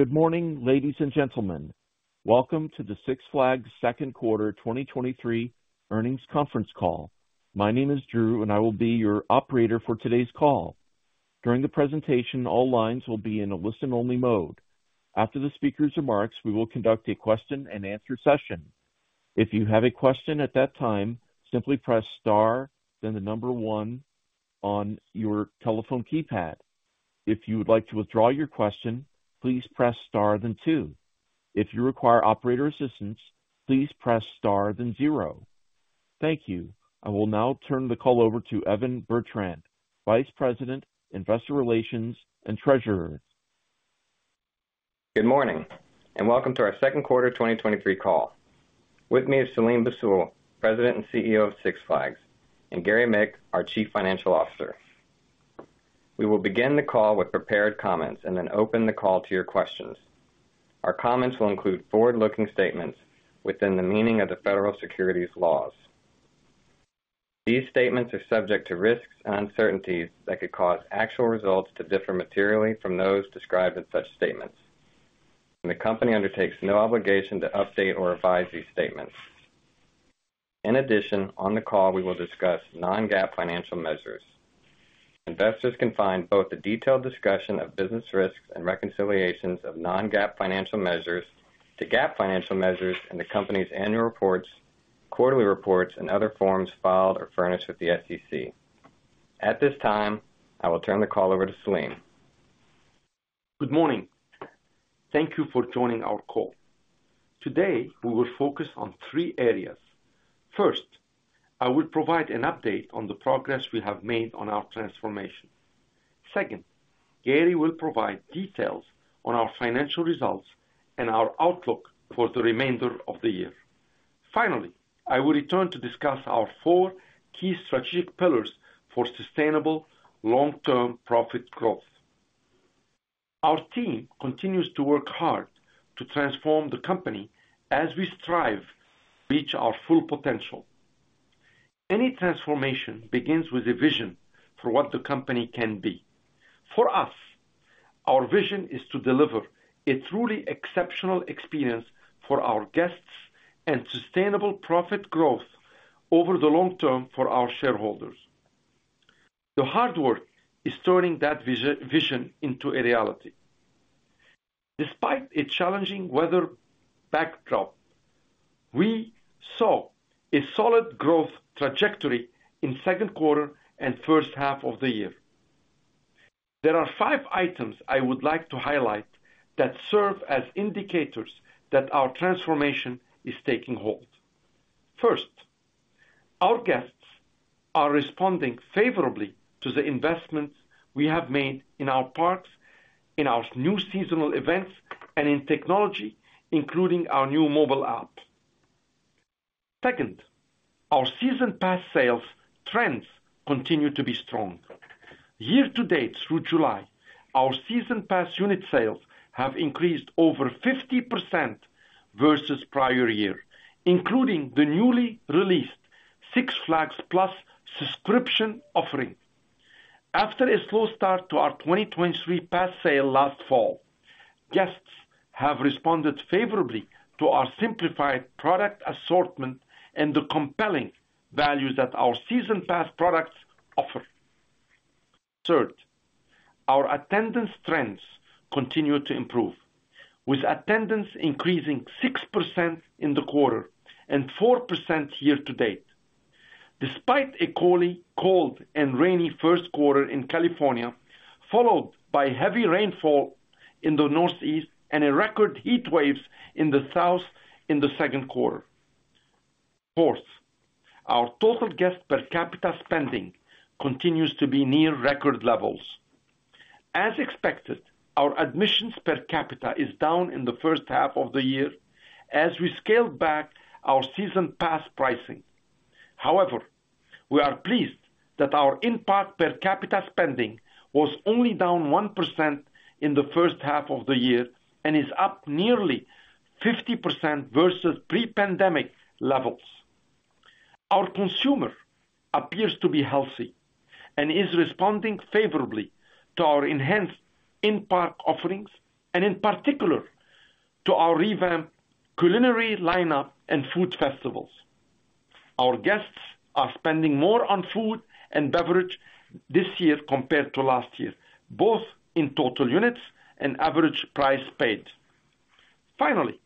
Good morning, ladies and gentlemen. Welcome to the Six Flags Second Quarter 2023 Earnings Conference Call. My name is Drew, and I will be your operator for today's call. During the presentation, all lines will be in a listen-only mode. After the speaker's remarks, we will conduct a question-and-answer session. If you have a question at that time, simply press star, then one on your telephone keypad. If you would like to withdraw your question, please press star, then two. If you require operator assistance, please press star, then zero. Thank you. I will now turn the call over to Evan Bertrand, Vice President, Investor Relations and Treasurer. Good morning, and welcome to our second quarter 2023 call. With me is Selim Bassoul, President and CEO of Six Flags, and Gary Mick, our Chief Financial Officer. We will begin the call with prepared comments and then open the call to your questions. Our comments will include forward-looking statements within the meaning of the federal securities laws. These statements are subject to risks and uncertainties that could cause actual results to differ materially from those described in such statements. The company undertakes no obligation to update or revise these statements. In addition, on the call, we will discuss non-GAAP financial measures. Investors can find both a detailed discussion of business risks and reconciliations of non-GAAP financial measures to GAAP financial measures in the company's annual reports, quarterly reports, and other forms filed or furnished with the SEC. At this time, I will turn the call over to Selim. Good morning. Thank you for joining our call. Today, we will focus on three areas. First, I will provide an update on the progress we have made on our transformation. Second, Gary will provide details on our financial results and our outlook for the remainder of the year. Finally, I will return to discuss our four key strategic pillars for sustainable long-term profit growth. Our team continues to work hard to transform the company as we strive to reach our full potential. Any transformation begins with a vision for what the company can be. For us, our vision is to deliver a truly exceptional experience for our guests and sustainable profit growth over the long term for our shareholders. The hard work is turning that vision into a reality. Despite a challenging weather backdrop, we saw a solid growth trajectory in second quarter and first half of the year. There are five items I would like to highlight that serve as indicators that our transformation is taking hold. First, our guests are responding favorably to the investments we have made in our parks, in our new seasonal events, and in technology, including our new mobile app. Second, our season pass sales trends continue to be strong. Year to date, through July, our season pass unit sales have increased over 50% versus prior year, including the newly released Six Flags Plus subscription offering. After a slow start to our 2023 pass sale last fall, guests have responded favorably to our simplified product assortment and the compelling value that our season pass products offer. Third, our attendance trends continue to improve, with attendance increasing 6% in the quarter and 4% year to date. Despite a cold and rainy first quarter in California, followed by heavy rainfall in the Northeast and a record heat waves in the South in the second quarter. Fourth, our total guest per capita spending continues to be near record levels. As expected, our admissions per capita is down in the first half of the year as we scaled back our season pass pricing. However, we are pleased that our in-park per capita spending was only down 1% in the first half of the year and is up nearly 50% versus pre-pandemic levels. Our consumer appears to be healthy and is responding favorably to our enhanced in-park offerings and in particular, to our revamped culinary lineup and food festivals. Our guests are spending more on food and beverage this year compared to last year, both in total units and average price paid. Finally,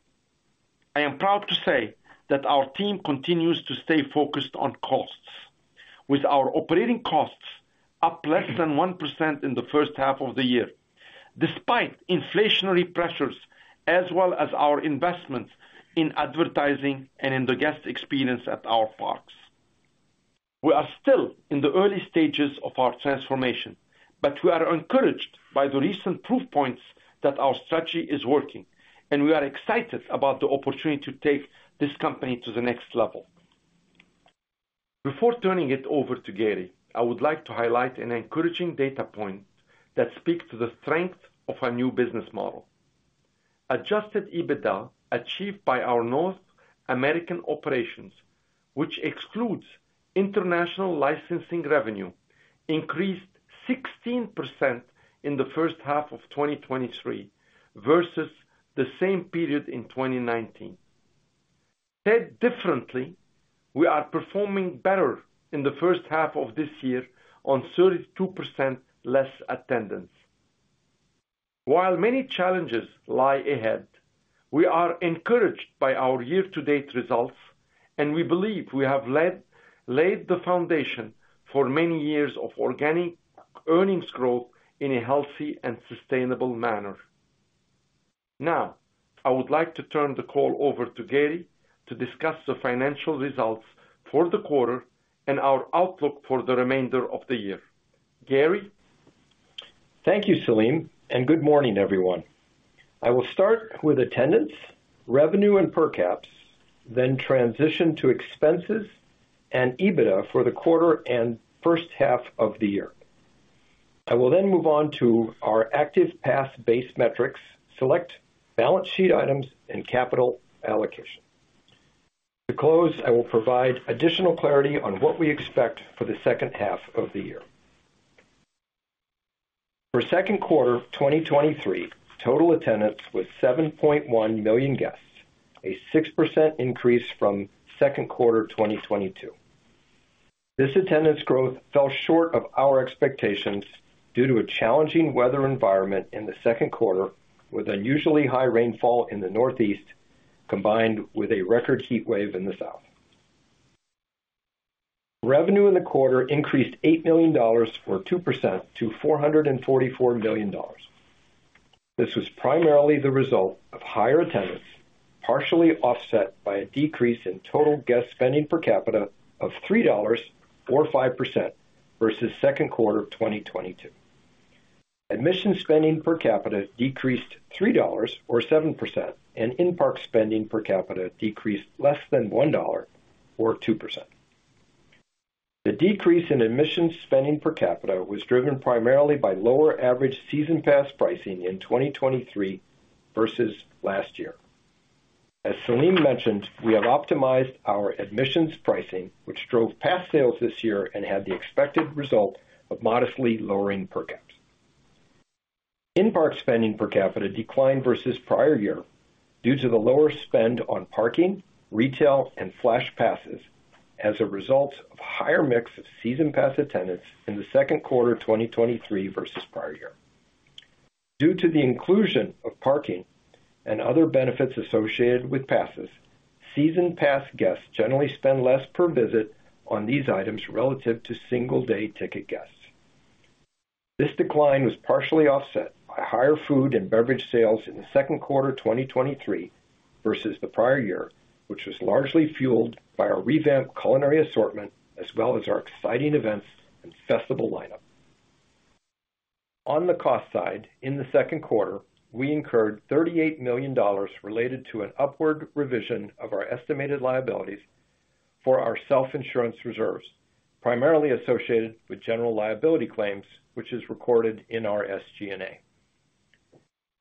I am proud to say that our team continues to stay focused on costs, with our operating costs up less than 1% in the first half of the year, despite inflationary pressures, as well as our investments in advertising and in the guest experience at our parks. We are still in the early stages of our transformation, but we are encouraged by the recent proof points that our strategy is working, and we are excited about the opportunity to take this company to the next level. Before turning it over to Gary Mick, I would like to highlight an encouraging data point that speaks to the strength of our new business model. Adjusted EBITDA achieved by our North American operations, which excludes international licensing revenue, increased 16% in the first half of 2023 versus the same period in 2019. Said differently, we are performing better in the first half of this year on 32% less attendance. While many challenges lie ahead, we are encouraged by our year-to-date results, and we believe we have laid the foundation for many years of organic earnings growth in a healthy and sustainable manner. Now, I would like to turn the call over to Gary to discuss the financial results for the quarter and our outlook for the remainder of the year. Gary? Thank you, Selim. Good morning, everyone. I will start with attendance, revenue, and per caps, then transition to expenses and EBITDA for the quarter and first half of the year. I will then move on to our active pass base metrics, select balance sheet items, and capital allocation. To close, I will provide additional clarity on what we expect for the second half of the year. For second quarter 2023, total attendance was 7.1 million guests, a 6% increase from second quarter 2022. This attendance growth fell short of our expectations due to a challenging weather environment in the second quarter, with unusually high rainfall in the Northeast, combined with a record heat wave in the South. Revenue in the quarter increased $8 million, or 2%, to $444 million. This was primarily the result of higher attendance, partially offset by a decrease in total guest spending per capita of $3, or 5%, versus second quarter of 2022. Admission spending per capita decreased $3, or 7%, and in-park spending per capita decreased less than $1 or 2%. The decrease in admission spending per capita was driven primarily by lower average season pass pricing in 2023 versus last year. As Selim mentioned, we have optimized our admissions pricing, which drove pass sales this year and had the expected result of modestly lowering per caps. In-park spending per capita declined versus prior year due to the lower spend on parking, retail, and Flash Passes as a result of higher mix of season pass attendance in the second quarter of 2023 versus prior year. Due to the inclusion of parking and other benefits associated with passes, season pass guests generally spend less per visit on these items relative to single-day ticket guests. This decline was partially offset by higher food and beverage sales in the second quarter of 2023 versus the prior year, which was largely fueled by our revamped culinary assortment, as well as our exciting events and festival lineup. On the cost side, in the second quarter, we incurred $38 million related to an upward revision of our estimated liabilities for our self-insurance reserves, primarily associated with general liability claims, which is recorded in our SG&A.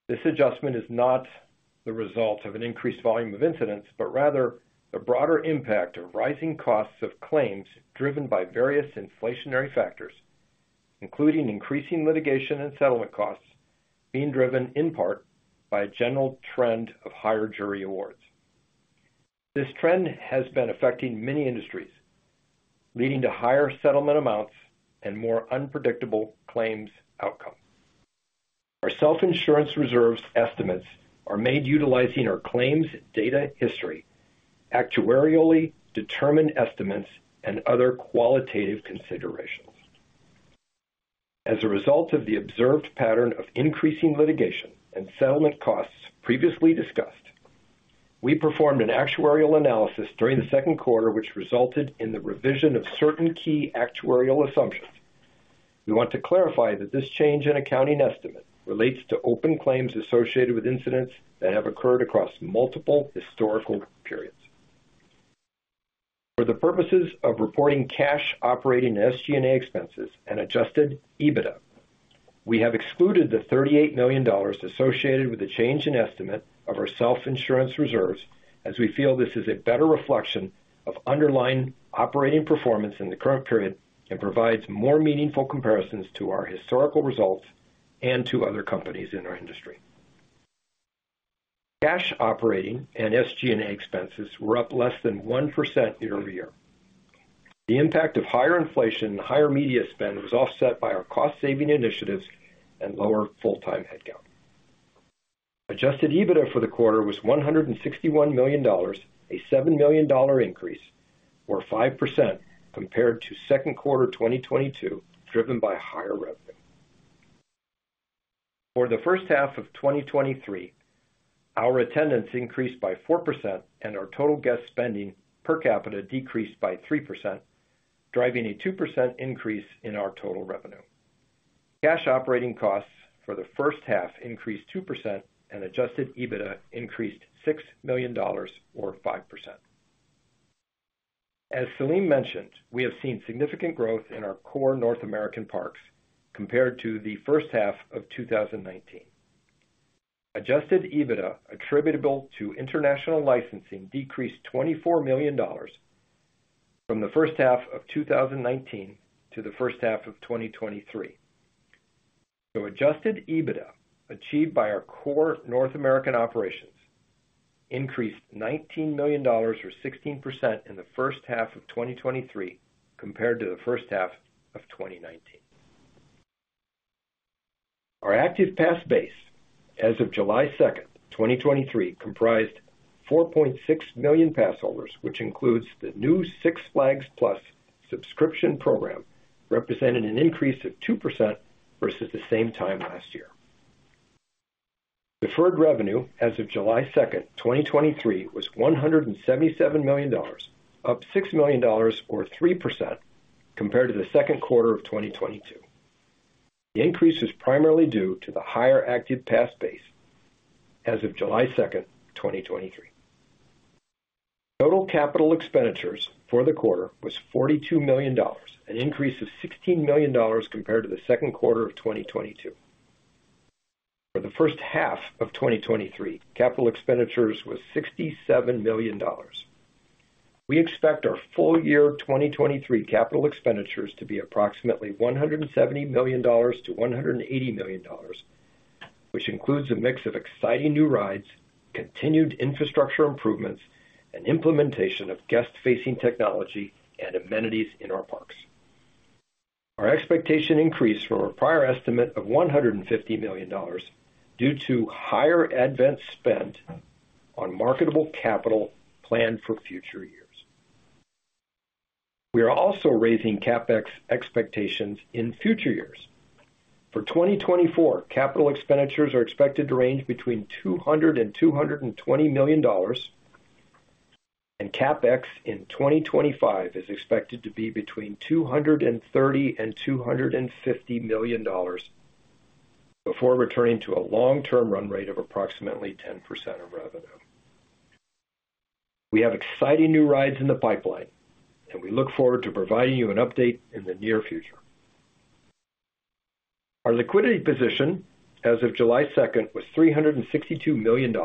This adjustment is not the result of an increased volume of incidents, but rather the broader impact of rising costs of claims driven by various inflationary factors, including increasing litigation and settlement costs being driven in part by a general trend of higher jury awards. This trend has been affecting many industries, leading to higher settlement amounts and more unpredictable claims outcomes. Our self-insurance reserves estimates are made utilizing our claims data history, actuarially determined estimates, and other qualitative considerations. As a result of the observed pattern of increasing litigation and settlement costs previously discussed, we performed an actuarial analysis during the second quarter, which resulted in the revision of certain key actuarial assumptions. We want to clarify that this change in accounting estimate relates to open claims associated with incidents that have occurred across multiple historical periods. For the purposes of reporting cash, operating, SG&A expenses and Adjusted EBITDA, we have excluded the $38 million associated with the change in estimate of our self-insurance reserves, as we feel this is a better reflection of underlying operating performance in the current period and provides more meaningful comparisons to our historical results and to other companies in our industry. Cash operating and SG&A expenses were up less than 1% year-over-year. The impact of higher inflation and higher media spend was offset by our cost-saving initiatives and lower full-time headcount. Adjusted EBITDA for the quarter was $161 million, a $7 million increase, or 5% compared to second quarter 2022, driven by higher revenue. For the first half of 2023, our attendance increased by 4% and our total guest spending per capita decreased by 3%, driving a 2% increase in our total revenue. Cash operating costs for the first half increased 2%, and Adjusted EBITDA increased $6 million, or 5%. As Selim mentioned, we have seen significant growth in our core North American parks compared to the first half of 2019. Adjusted EBITDA attributable to international licensing decreased $24 million from the first half of 2019 to the first half of 2023. Adjusted EBITDA, achieved by our core North American operations, increased $19 million or 16% in the first half of 2023 compared to the first half of 2019. Our active pass base as of July 2nd, 2023, comprised 4.6 million pass holders, which includes the new Six Flags Plus subscription program, representing an increase of 2% versus the same time last year. Deferred revenueas of July 2nd, 2023, was $177 million, up $6 million or 3% compared to the second quarter of 2022. The increase is primarily due to the higher active pass baseas of July 2nd, 2023. Total capital expenditures for the quarter was $42 million, an increase of $16 million compared to the second quarter of 2022. For the first half of 2023, capital expenditures was $67 million. We expect our full year 2023 capital expenditures to be approximately $170 million-$180 million, which includes a mix of exciting new rides, continued infrastructure improvements, and implementation of guest-facing technology and amenities in our parks. Our expectation increased from our prior estimate of $150 million due to higher ad spend on marketable securities planned for future years. We are also raising CapEx expectations in future years. For 2024, capital expenditures are expected to range between $200 million and $220 million, and CapEx in 2025 is expected to be between $230 million and $250 million, before returning to a long-term run rate of approximately 10% of revenue. We have exciting new rides in the pipeline, and we look forward to providing you an update in the near future. Our liquidity position as of July 2nd, was $362 million.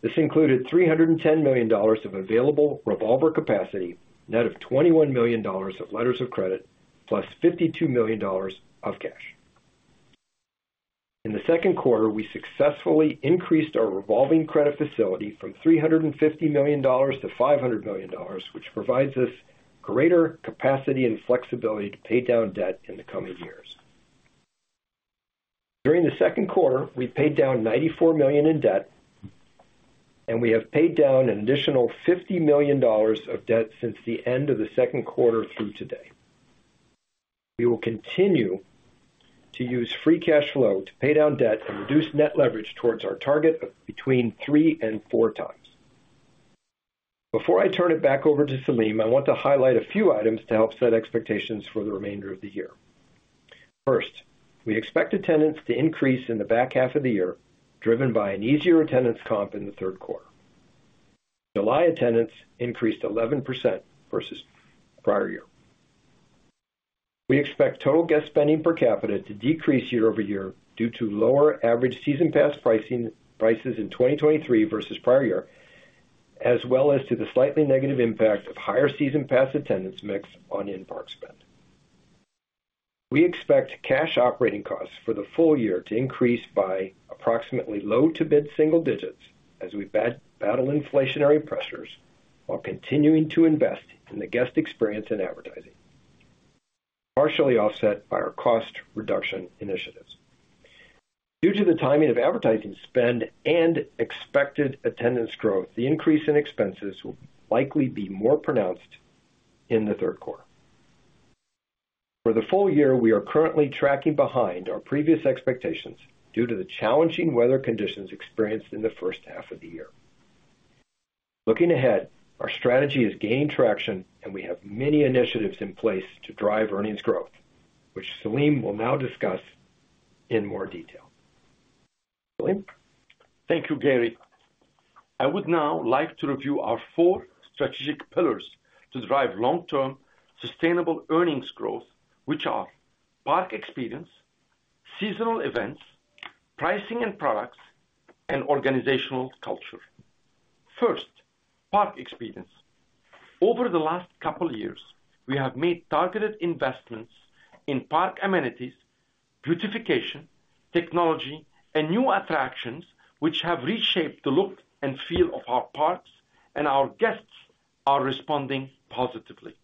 This included $310 million of available revolver capacity, net of $21 million of letters of credit, plus $52 million of cash. In the second quarter, we successfully increased our revolving credit facility from $350 million to $500 million, which provides us greater capacity and flexibility to pay down debt in the coming years. During the second quarter, we paid down $94 million in debt, and we have paid down an additional $50 million of debt since the end of the second quarter through today. We will continue to use free cash flow to pay down debt and reduce net leverage towards our target of between 3x and 4x. Before I turn it back over to Selim, I want to highlight a few items to help set expectations for the remainder of the year. First, we expect attendance to increase in the back half of the year, driven by an easier attendance comp in the third quarter. July attendance increased 11% versus prior year. We expect total guest spending per capita to decrease year-over-year due to lower average season pass prices in 2023 versus prior year, as well as to the slightly negative impact of higher season pass attendance mix on in-park spend. We expect cash operating costs for the full year to increase by approximately low to mid-single digits as we battle inflationary pressures, while continuing to invest in the guest experience and advertising, partially offset by our cost reduction initiatives. Due to the timing of advertising spend and expected attendance growth, the increase in expenses will likely be more pronounced in the third quarter. For the full year, we are currently tracking behind our previous expectations due to the challenging weather conditions experienced in the first half of the year. Looking ahead, our strategy has gained traction, and we have many initiatives in place to drive earnings growth, which Selim will now discuss in more detail. Selim? Thank you, Gary. I would now like to review our four strategic pillars to drive long-term, sustainable earnings growth, which are park experience, seasonal events, pricing and products, and organizational culture. First, park experience. Over the last couple years, we have made targeted investments in park amenities, beautification, technology, and new attractions, which have reshaped the look and feel of our parks. Our guests are responding positively.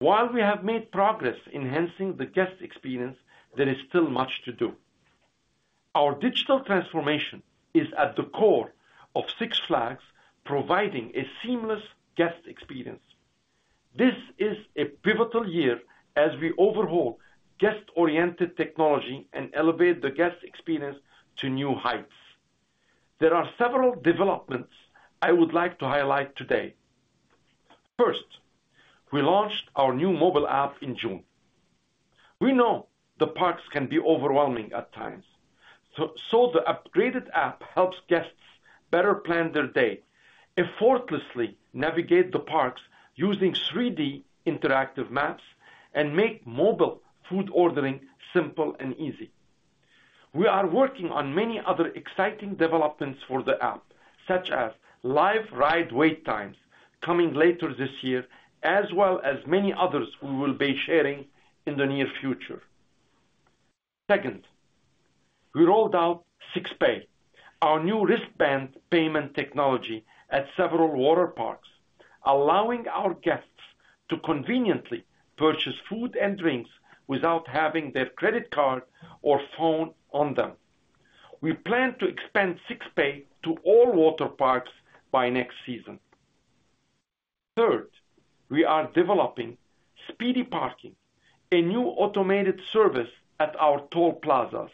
While we have made progress enhancing the guest experience, there is still much to do. Our digital transformation is at the core of Six Flags, providing a seamless guest experience. This is a pivotal year as we overhaul guest-oriented technology and elevate the guest experience to new heights. There are several developments I would like to highlight today. First, we launched our new mobile app in June. We know the parks can be overwhelming at times. The upgraded app helps guests better plan their day, effortlessly navigate the parks using 3D interactive maps, and make mobile food ordering simple and easy. We are working on many other exciting developments for the app, such as live ride wait times coming later this year, as well as many others we will be sharing in the near future. Second, we rolled out Six Pay, our new wristband payment technology at several water parks, allowing our guests to conveniently purchase food and drinks without having their credit card or phone on them. We plan to expand Six Pay to all water parks by next season. Third, we are developing Speedy Parking, a new automated service at our toll plazas,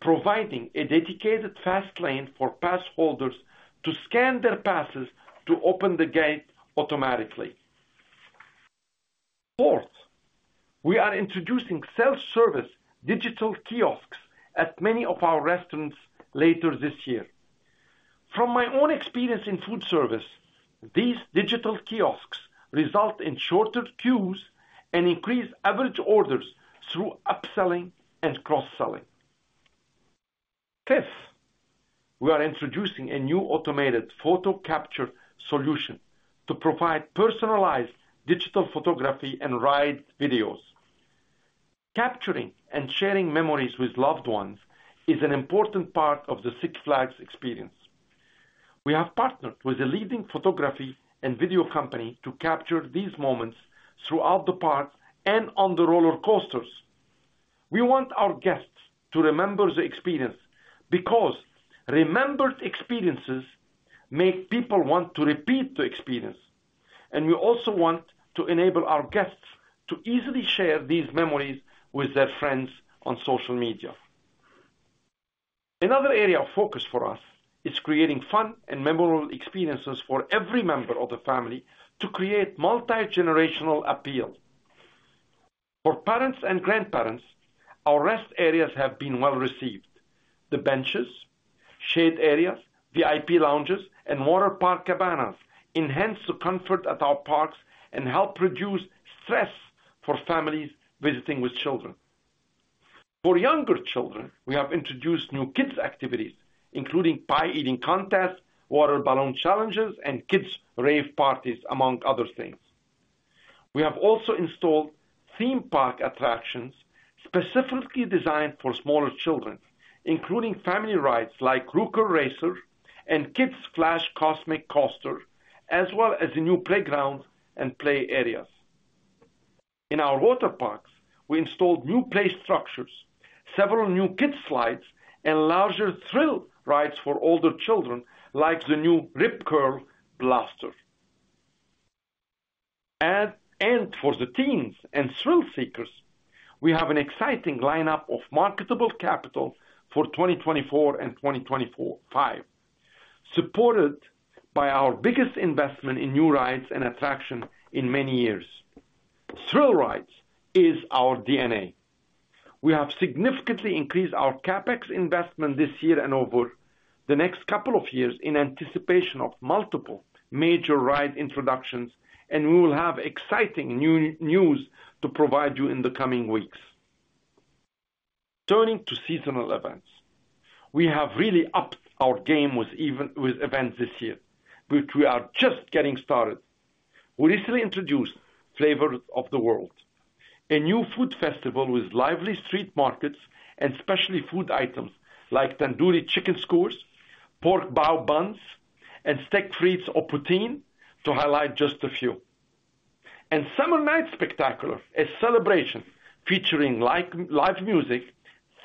providing a dedicated fast lane for pass holders to scan their passes to open the gate automatically. Fourth, we are introducing self-service digital kiosks at many of our restaurants later this year. From my own experience in food service, these digital kiosks result in shorter queues and increase average orders through upselling and cross-selling. Fifth, we are introducing a new automated photo capture solution to provide personalized digital photography and ride videos. Capturing and sharing memories with loved ones is an important part of the Six Flags experience. We have partnered with a leading photography and video company to capture these moments throughout the park and on the roller coasters. We want our guests to remember the experience, because remembered experiences make people want to repeat the experience, and we also want to enable our guests to easily share these memories with their friends on social media. Another area of focus for us is creating fun and memorable experiences for every member of the family to create multi-generational appeal. For parents and grandparents, our rest areas have been well received. The benches, shade areas, VIP lounges, and water park cabanas enhance the comfort at our parks and help reduce stress for families visiting with children. For younger children, we have introduced new kids activities, including pie eating contests, water balloon challenges, and kids rave parties, among other things. We have also installed theme park attractions specifically designed for smaller children, including family rides like Rookie Racer and KID FLASH Cosmic Coaster, as well as new playgrounds and play areas. In our water parks, we installed new play structures, several new kids slides and larger thrill rides for older children, like the new Rip Curl Blaster. For the teens and thrill seekers, we have an exciting lineup of marketable securities for 2024 and 2025, supported by our biggest investment in new rides and attraction in many years. Thrill Rides is our DNA. We have significantly increased our CapEx investment this year and over the next couple of years in anticipation of multiple major ride introductions, and we will have exciting new news to provide you in the coming weeks. Turning to seasonal events, we have really upped our game with events this year, which we are just getting started. We recently introduced Flavors of the World, a new food festival with lively street markets and specialty food items like tandoori chicken skewers, pork bao buns, and steak fries or poutine, to highlight just a few. Summer Nights Spectacular, a celebration featuring live music,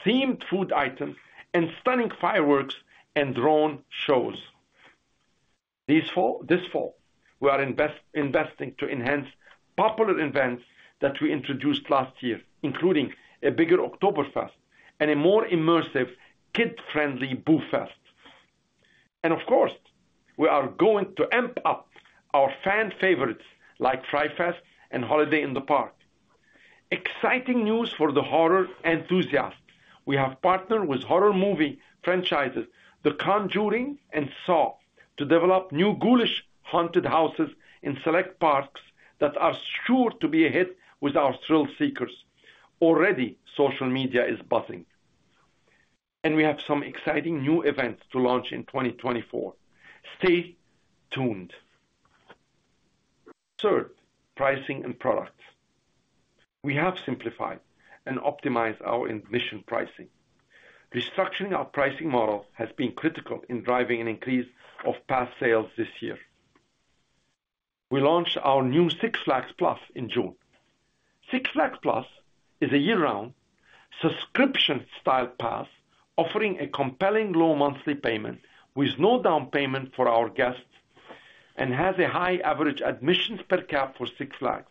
themed food items and stunning fireworks and drone shows. This fall, we are investing to enhance popular events that we introduced last year, including a bigger Oktoberfest and a more immersive, kid-friendly Boo Fest. Of course, we are going to amp up our fan favorites like Fright Fest and Holiday in the Park. Exciting news for the horror enthusiasts, we have partnered with horror movie franchises, The Conjuring and Saw, to develop new ghoulish haunted houses in select parks that are sure to be a hit with our thrill seekers. Already, social media is buzzing, and we have some exciting new events to launch in 2024. Stay tuned! Third, pricing and products. We have simplified and optimized our admission pricing. Restructuring our pricing model has been critical in driving an increase of pass sales this year. We launched our new Six Flags Plus in June. Six Flags Plus is a year-round subscription-style pass, offering a compelling low monthly payment with no down payment for our guests and has a high average admissions per cap for Six Flags.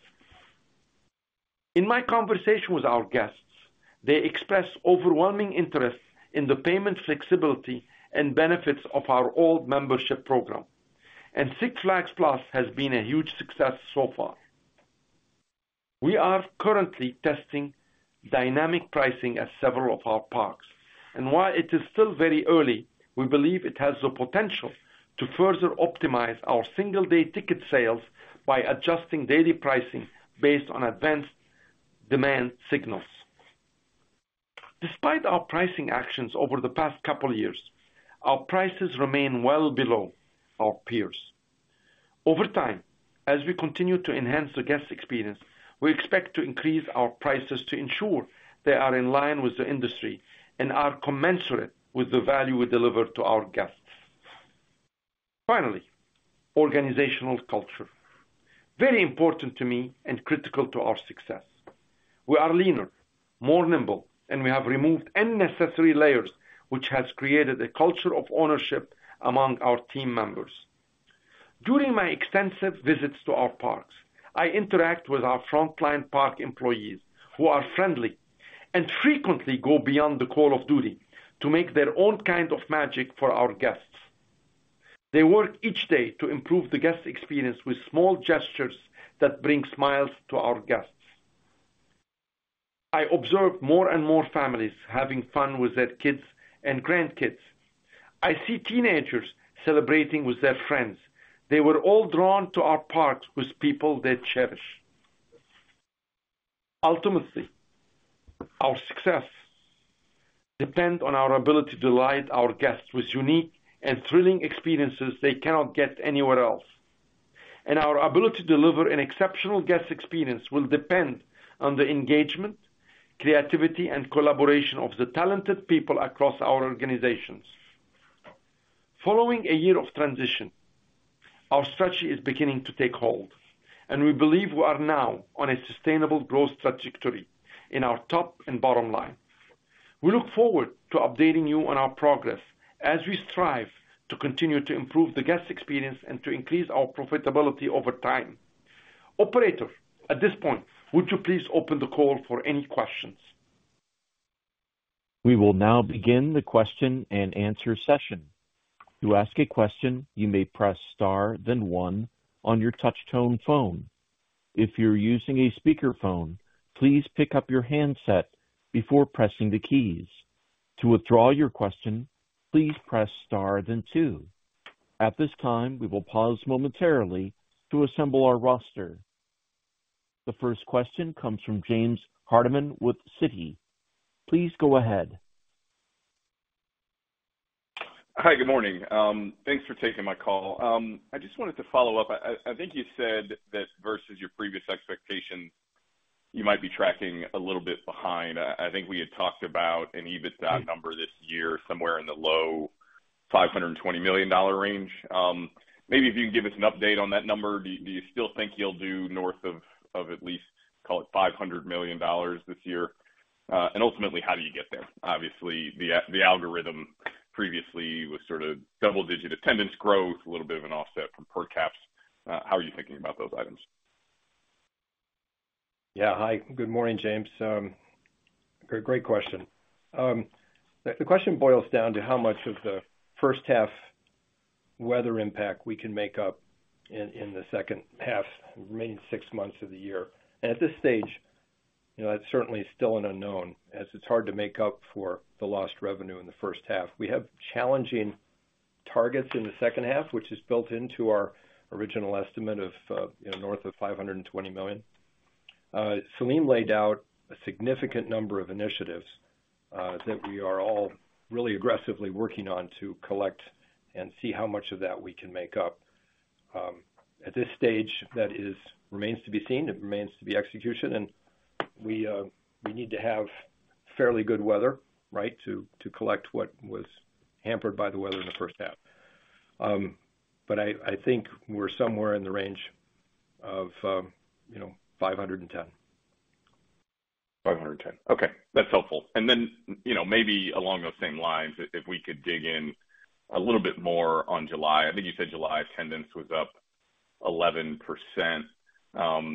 In my conversation with our guests, they expressed overwhelming interest in the payment flexibility and benefits of our old membership program. Six Flags Plus has been a huge success so far. We are currently testing dynamic pricing at several of our parks, and while it is still very early, we believe it has the potential to further optimize our single-day ticket sales by adjusting daily pricing based on advanced demand signals. Despite our pricing actions over the past couple of years, our prices remain well below our peers. Over time, as we continue to enhance the guest experience, we expect to increase our prices to ensure they are in line with the industry and are commensurate with the value we deliver to our guests. Finally, organizational culture. Very important to me and critical to our success. We are leaner, more nimble, and we have removed unnecessary layers, which has created a culture of ownership among our team members. During my extensive visits to our parks, I interact with our frontline park employees, who are friendly and frequently go beyond the call of duty to make their own kind of magic for our guests. They work each day to improve the guest experience with small gestures that bring smiles to our guests. I observe more and more families having fun with their kids and grandkids. I see teenagers celebrating with their friends. They were all drawn to our parks with people they cherish. Ultimately, our success depends on our ability to delight our guests with unique and thrilling experiences they cannot get anywhere else. Our ability to deliver an exceptional guest experience will depend on the engagement, creativity, and collaboration of the talented people across our organizations. Following a year of transition, our strategy is beginning to take hold, and we believe we are now on a sustainable growth trajectory in our top and bottom line. We look forward to updating you on our progress as we strive to continue to improve the guest experience and to increase our profitability over time. Operator, at this point, would you please open the call for any questions? We will now begin the question-and-answer session. To ask a question, you may press star, then one on your touch tone phone. If you're using a speakerphone, please pick up your handset before pressing the keys. To withdraw your question, please press star then two. At this time, we will pause momentarily to assemble our roster. The first question comes from James Hardiman with Citi. Please go ahead. Hi, good morning. Thanks for taking my call. I just wanted to follow up. I think you said that versus your previous expectation, you might be tracking a little bit behind. I think we had talked about an EBITDA number this year, somewhere in the low $520 million range. Maybe if you can give us an update on that number. Do you still think you'll do north of at least, call it $500 million this year? Ultimately, how do you get there? Obviously, the algorithm previously was sort of double-digit attendance growth, a little bit of an offset from per caps. How are you thinking about those items? Yeah. Hi, good morning, James. Great question. The question boils down to how much of the first half weather impact we can make up in, in the second half, remaining six months of the year. At this stage, you know, that's certainly still an unknown, as it's hard to make up for the lost revenue in the first half. We have challenging targets in the second half, which is built into our original estimate of, you know, north of $520 million. Selim Bassoul laid out a significant number of initiatives, that we are all really aggressively working on to collect and see how much of that we can make up. At this stage, that is, remains to be seen. It remains to be execution. We need to have fairly good weather, right, to, to collect what was hampered by the weather in the first half. I, I think we're somewhere in the range of, you know, $510. 510. Okay, that's helpful. You know, maybe along those same lines, if, if we could dig in a little bit more on July. I think you said July attendance was up 11%.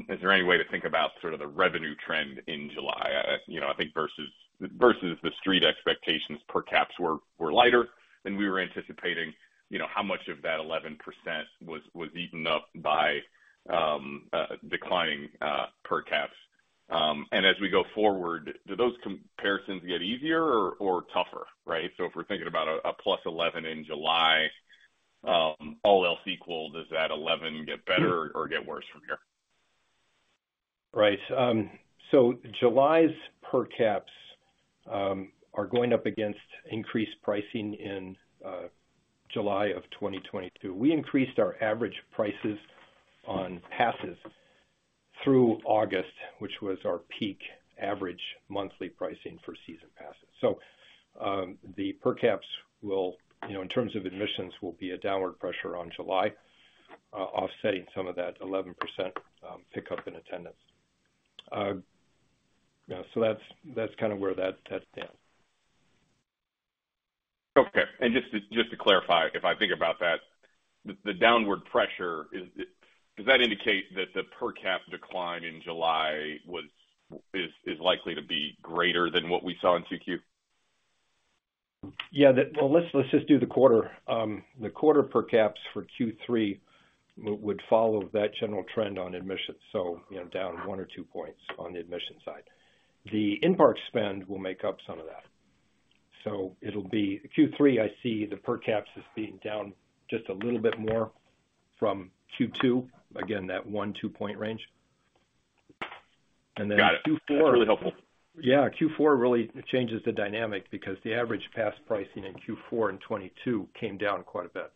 Is there any way to think about sort of the revenue trend in July? You know, I think versus, versus the street expectations, per caps were, were lighter than we were anticipating. You know, how much of that 11% was, was eaten up by declining per caps? And as we go forward, do those comparisons get easier or, or tougher, right? If we're thinking about a, a +11 in July, all else equal, does that 11 get better or get worse from here? Right. July's per caps are going up against increased pricing in July of 2022. We increased our average prices on passes through August, which was our peak average monthly pricing for season passes. The per caps will, you know, in terms of admissions, will be a downward pressure on July, offsetting some of that 11% pickup in attendance. You know, that's, that's kind of where that stands down. Okay. Just to clarify, if I think about that, the downward pressure does that indicate that the per cap decline in July was, is likely to be greater than what we saw in CQ? Yeah, the, well, let's, let's just do the quarter. The quarter per caps for Q3 would follow that general trend on admissions, so, you know, down one or two points on the admission side. The in-park spend will make up some of that. It'll be Q3, I see the per caps as being down just a little bit more from Q2. Again, that one, two point range. Q4. Got it. Really helpful. Yeah, Q4 really changes the dynamic because the average pass pricing in Q4 and 2022 came down quite a bit.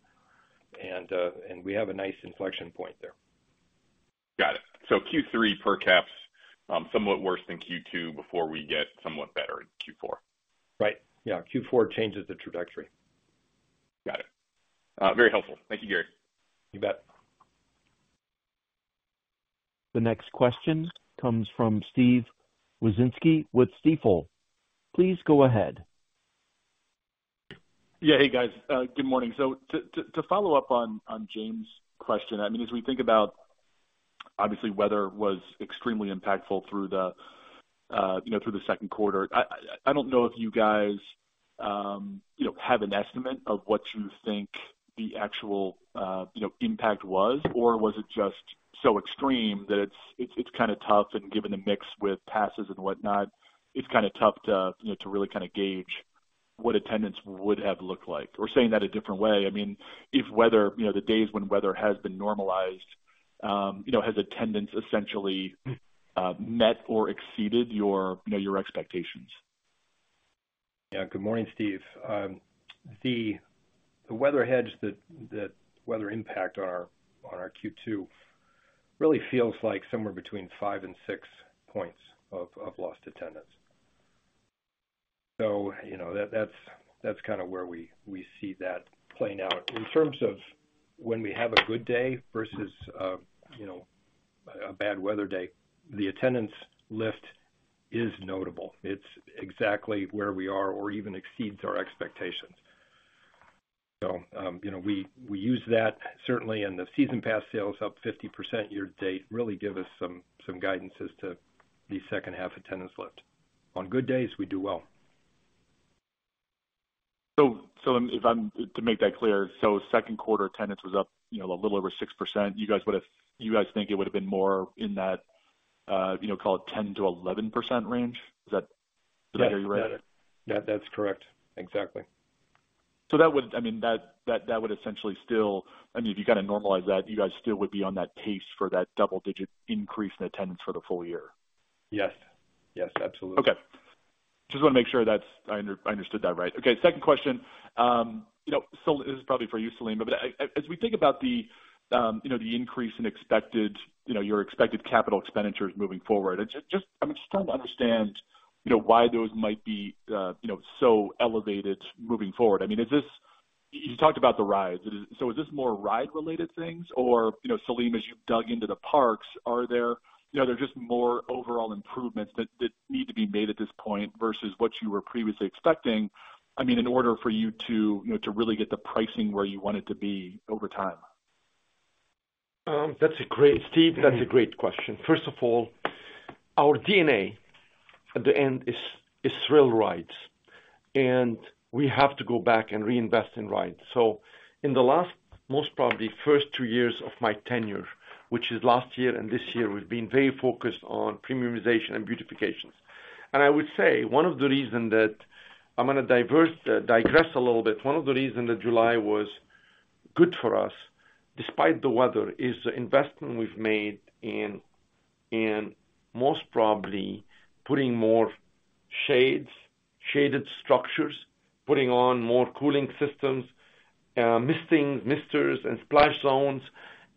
We have a nice inflection point there. Got it. Q3 per caps, somewhat worse than Q2 before we get somewhat better in Q4? Right. Yeah, Q4 changes the trajectory. Got it. Very helpful. Thank you, Gary. You bet. The next question comes from Steve Wieczynski with Stifel. Please go ahead. Yeah. Hey, guys, good morning. To, to, to follow up on, on James' question, I mean, as we think about obviously, weather was extremely impactful through the, you know, through the second quarter. I, I don't know if you guys, you know, have an estimate of what you think the actual, you know, impact was, or was it just so extreme that it's, it's, it's kinda tough and given the mix with passes and whatnot, it's kinda tough to, you know, to really kinda gauge what attendance would have looked like. Saying that a different way, I mean, if weather, you know, the days when weather has been normalized, you know, has attendance essentially, met or exceeded your, you know, your expectations? Yeah. Good morning, Steve. The, the weather hedge, the, the weather impact on our, on our Q2 really feels like somewhere between five and six points of, of lost attendance. You know, that's, that's kinda where we, we see that playing out. In terms of when we have a good day versus, you know, a bad weather day, the attendance lift is notable. It's exactly where we are or even exceeds our expectations. You know, we, we use that certainly, and the season pass sales up 50% year to date, really give us some, some guidances to the second half attendance lift. On good days, we do well. To make that clear, so second quarter attendance was up, you know, a little over 6%. You guys think it would have been more in that, you know, call it 10%-11% range? Is that, did I hear you right? Yeah, that's correct. Exactly. That would, I mean, that, that, that would essentially still, I mean, if you kinda normalize that, you guys still would be on that pace for that double-digit increase in attendance for the full year. Yes. Yes, absolutely. Okay. Just wanna make sure that's, I under- I understood that right. Okay, second question. You know, this is probably for you, Selim, but as we think about the, you know, the increase in expected, you know, your expected capital expenditures moving forward, I just, just, I'm just trying to understand, you know, why those might be, you know, so elevated moving forward. I mean, is this. You talked about the rides. Is this more ride-related things? You know, Selim, as you've dug into the parks, are there, you know, are there just more overall improvements that, that need to be made at this point versus what you were previously expecting, I mean, in order for you to, you know, to really get the pricing where you want it to be over time? That's a great, Steve, that's a great question. First of all, our DNA at the end is thrill rides, and we have to go back and reinvest in rides. In the last, most probably, first two years of my tenure, which is last year and this year, we've been very focused on premiumization and beautifications. I would say one of the reasons that I'm gonna digress a little bit, one of the reasons that July was good for us, despite the weather, is the investment we've made in most probably putting more shades, shaded structures, putting on more cooling systems, misting, misters and splash zones,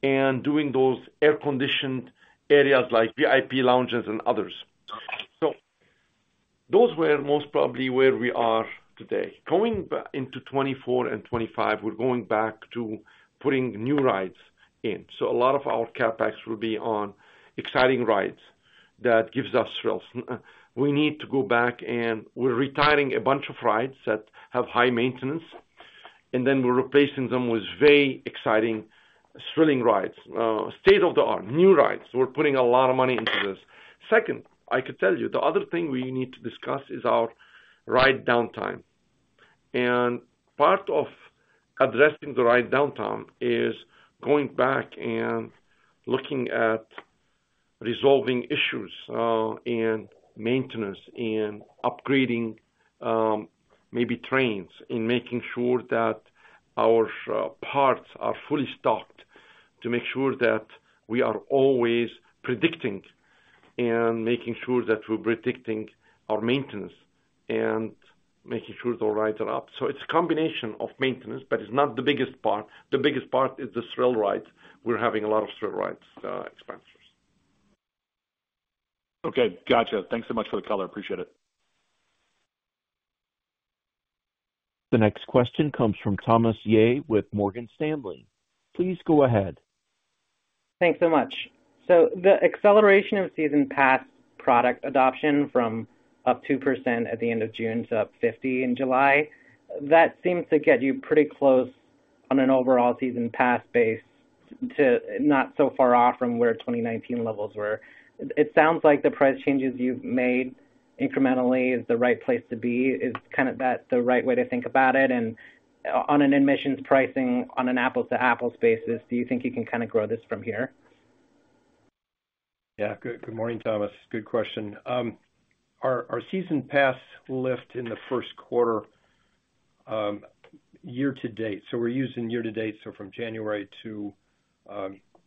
and doing those air-conditioned areas like VIP lounges and others. Those were most probably where we are today. Going back into 2024 and 2025, we're going back to putting new rides in. A lot of our CapEx will be on exciting rides that gives us thrills. We need to go back and we're retiring a bunch of rides that have high maintenance, and then we're replacing them with very exciting, thrilling rides, state-of-the-art, new rides. We're putting a lot of money into this. Second, I could tell you the other thing we need to discuss is our ride downtime. Part of addressing the ride downtime is going back and looking at resolving issues, and maintenance and upgrading, maybe trains, and making sure that our parts are fully stocked, to make sure that we are always predicting and making sure that we're predicting our maintenance and making sure the rides are up. It's a combination of maintenance, but it's not the biggest part. The biggest part is the thrill rides. We're having a lot of thrill rides, expenditures. Okay, gotcha. Thanks so much for the color. Appreciate it. The next question comes from Thomas Yeh with Morgan Stanley. Please go ahead. Thanks so much. The acceleration of season pass product adoption from up 2% at the end of June to up 50 in July, that seems to get you pretty close on an overall season pass base to not so far off from where 2019 levels were. It, it sounds like the price changes you've made incrementally is the right place to be. Is kind of that the right way to think about it? On an admissions pricing, on an apples-to-apples basis, do you think you can kinda grow this from here? Yeah. Good, good morning, Thomas. Good question. Our, our season pass lift in the first quarter, year to date, so we're using year to date, so from January to,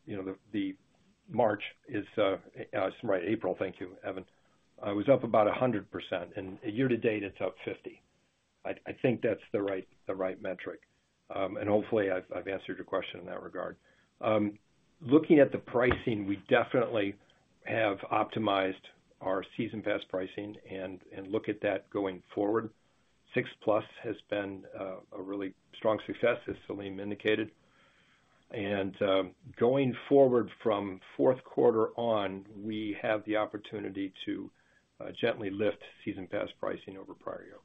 you know, the, the March is, sorry, April, thank you, Evan. Was up about 100%, and year to date, it's up 50. I, I think that's the right, the right metric. Hopefully I've, I've answered your question in that regard. Looking at the pricing, we definitely have optimized our season pass pricing and, and look at that going forward. Six Flags Plus has been a really strong success, as Selim indicated. Going forward from fourth quarter on, we have the opportunity to gently lift season pass pricing over prior year.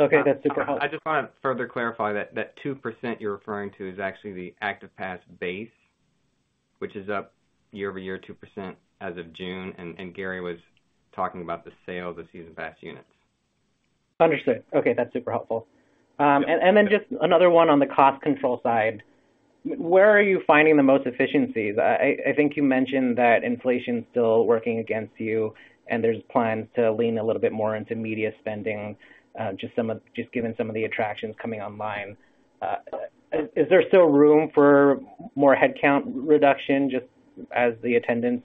Okay, that's super helpful. I just wanna further clarify that, that 2% you're referring to is actually the active pass base, which is up year-over-year, 2% as of June, and Gary was talking about the sale of the season pass units. Understood. Okay, that's super helpful. Then just another one on the cost control side. Where are you finding the most efficiencies? I, I think you mentioned that inflation is still working against you, and there's plans to lean a little bit more into media spending, just given some of the attractions coming online. Is, is there still room for more headcount reduction just as the attendance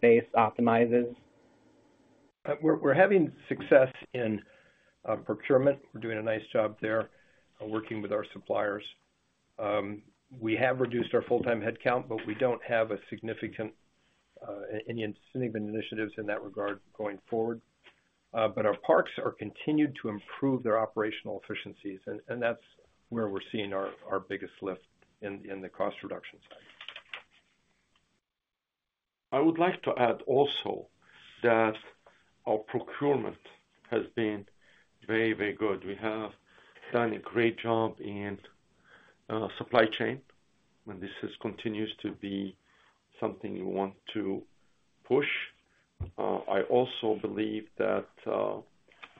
base optimizes? We're, we're having success in procurement. We're doing a nice job there working with our suppliers. We have reduced our full-time headcount, but we don't have a significant, any significant initiatives in that regard going forward. Our parks are continued to improve their operational efficiencies, and, and that's where we're seeing our, our biggest lift in, in the cost reduction side. I would like to add also that our procurement has been very, very good. We have done a great job in supply chain. This is continues to be something we want to push. I also believe that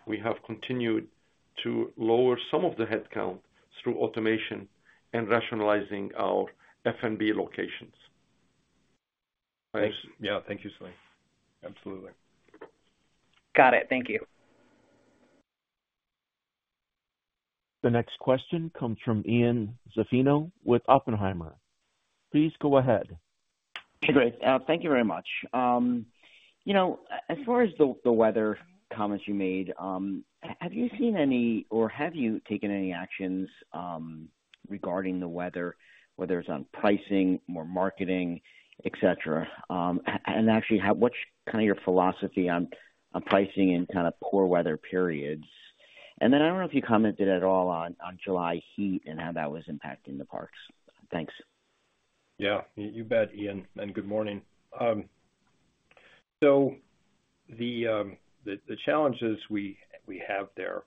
we have continued to lower some of the headcount through automation and rationalizing our F&B locations. Thanks. Yeah. Thank you, Selim. Absolutely. Got it. Thank you. The next question comes from Ian Zaffino with Oppenheimer. Please go ahead. Hey, great. Thank you very much. You know, as far as the, the weather comments you made, have you seen any or have you taken any actions regarding the weather, whether it's on pricing, more marketing, et cetera? Actually, what's kind of your philosophy on, on pricing in kind of poor weather periods? I don't know if you commented at all on, on July heat and how that was impacting the parks. Thanks. Yeah, you bet, Ian, and good morning. The challenges we have there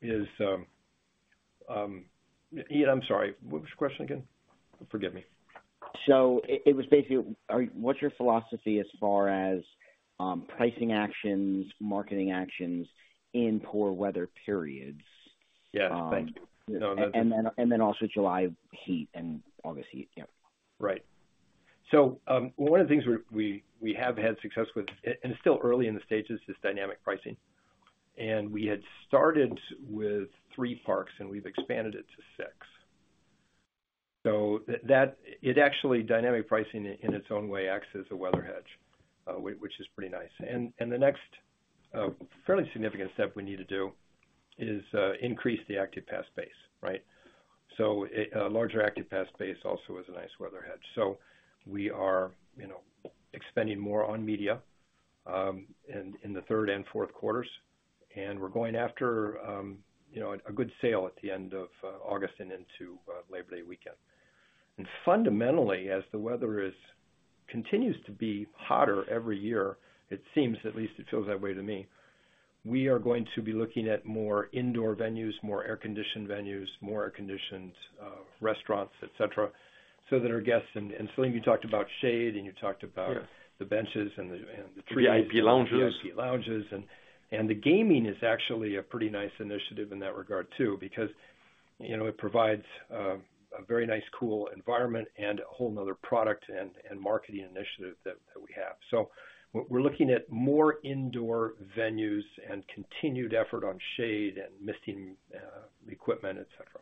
is. Ian, I'm sorry, what was your question again? Forgive me. It was basically, what's your philosophy as far as pricing actions, marketing actions in poor weather periods? Yeah. Thank you. Then, and then also July heat and August heat. Yeah. Right. One of the things we're, we, we have had success with, and it's still early in the stages, is dynamic pricing. We had started with three parks, and we've expanded it to six. It actually, dynamic pricing in its own way, acts as a weather hedge, which is pretty nice. The next, fairly significant step we need to do is increase the active pass base, right? A larger active pass base also is a nice weather hedge. We are, you know, expanding more on media, in, in the third and fourth quarters, and we're going after, you know, a good sale at the end of August and into Labor Day weekend. Fundamentally, as the weather is, continues to be hotter every year, it seems, at least it feels that way to me, we are going to be looking at more indoor venues, more air-conditioned venues, more air-conditioned restaurants, et cetera, so that our guests. Selim, you talked about shade, and you talked about the benches and the, and the. VIP lounges. VIP lounges. The gaming is actually a pretty nice initiative in that regard, too, because, you know, it provides a very nice, cool environment and a whole another product and marketing initiative that we have. We're looking at more indoor venues and continued effort on shade and misting equipment, et cetera.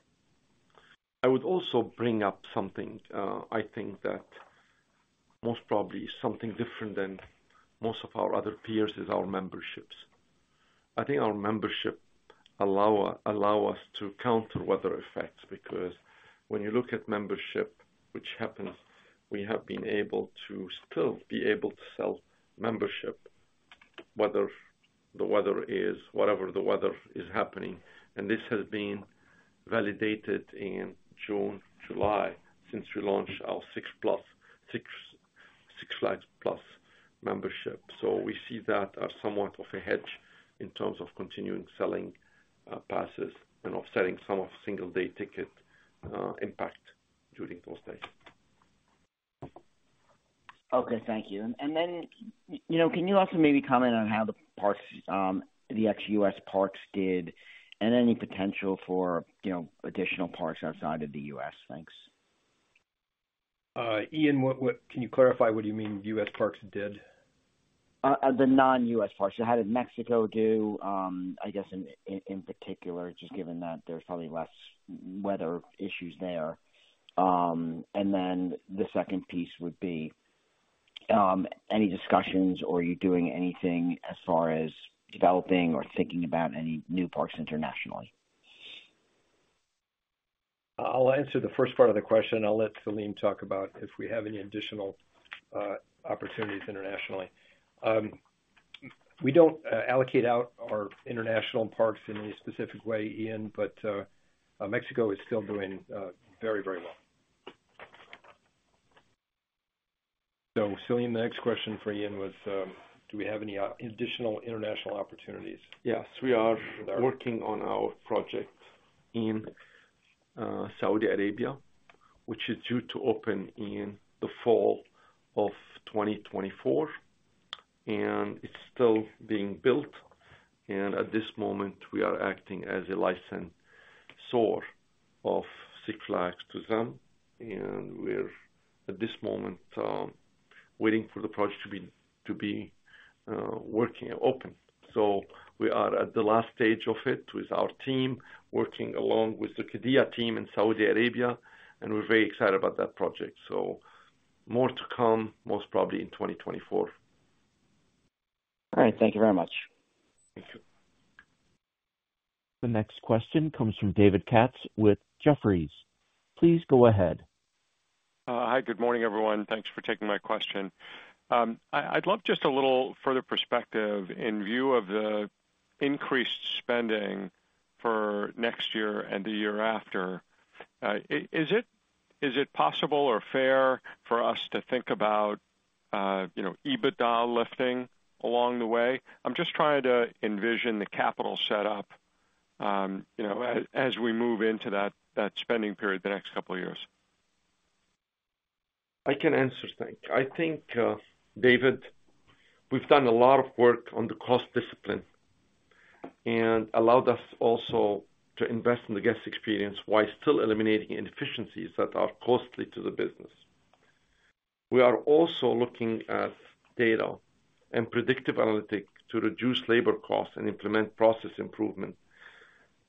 I would also bring up something, I think that most probably something different than most of our other peers, is our memberships. I think our membership allow, allow us to counter weather effects, because when you look at membership, which happens, we have been able to still be able to sell membership, whether the weather is-- whatever the weather is happening, and this has been validated in June, July, since we launched our Six Flags Plus membership. We see that as somewhat of a hedge in terms of continuing selling, passes and offsetting some of single day ticket, impact during those days. Okay, thank you. Then, you know, can you also maybe comment on how the parks, the ex-U.S. parks did and any potential for, you know, additional parks outside of the U.S.? Thanks. Ian, what, what, can you clarify what you mean U.S. parks did? The non-U.S. parks. How did Mexico do? I guess in, in, in particular, just given that there's probably less weather issues there. Then the second piece would be any discussions or are you doing anything as far as developing or thinking about any new parks internationally? I'll answer the first part of the question, I'll let Selim talk about if we have any additional opportunities internationally. We don't allocate out our international parks in any specific way, Ian, but Mexico is still doing very, very well. Selim, the next question for Ian was, do we have any additional international opportunities? Yes. We are working on our project in Saudi Arabia, which is due to open in the fall of 2024, it's still being built. At this moment, we are acting as a licensor of Six Flags to them, and we're, at this moment, waiting for the project to be, to be working and open. We are at the last stage of it, with our team working along with the Qiddiya team in Saudi Arabia, and we're very excited about that project. More to come, most probably in 2024. All right. Thank you very much. Thank you. The next question comes from David Katz with Jefferies. Please go ahead. Hi, good morning, everyone. Thanks for taking my question. I'd love just a little further perspective in view of the increased spending for next year and the year after. Is it, is it possible or fair for us to think about, you know, EBITDA lifting along the way? I'm just trying to envision the capital setup, you know, as we move into that, that spending period the next couple of years. I can answer that. I think, David, we've done a lot of work on the cost discipline, and allowed us also to invest in the guest experience, while still eliminating inefficiencies that are costly to the business. We are also looking at data and predictive analytics to reduce labor costs and implement process improvement,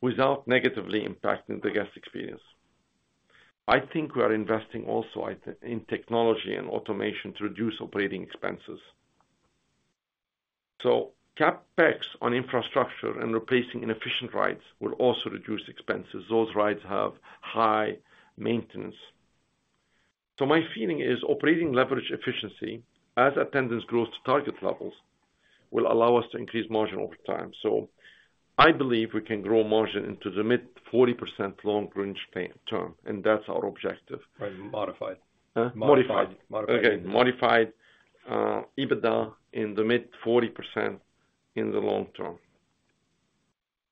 without negatively impacting the guest experience. I think we are investing also in technology and automation to reduce operating expenses. CapEx on infrastructure and replacing inefficient rides will also reduce expenses. Those rides have high maintenance. My feeling is operating leverage efficiency, as attendance grows to target levels, will allow us to increase margin over time. I believe we can gross margin into the mid 40% long range term, and that's our objective. Right, modified. Huh? Modified. Modified. Modified. Okay, Modified EBITDA in the mid 40% in the long term.